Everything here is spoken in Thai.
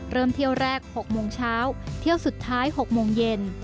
เริ่มเที่ยวแรก๖โมงเช้าเที่ยวสุดท้าย๖โมงเย็น